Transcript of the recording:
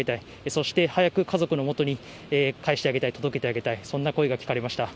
そして早く家族の元に帰してあげたい、届けてあげたい、そんな声が聞かれました。